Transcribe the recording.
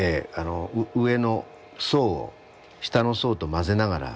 上の層を下の層と混ぜながら。